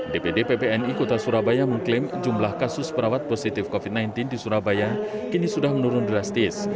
dpd pbni kota surabaya mengklaim jumlah kasus perawat positif covid sembilan belas di surabaya kini sudah menurun drastis